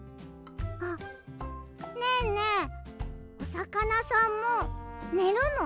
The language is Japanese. あっねえねえおさかなさんもねるの？